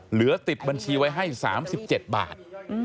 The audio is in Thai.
เหลือติดบัญชีไว้ให้๓๗บาท